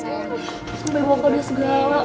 aku bebo kode segala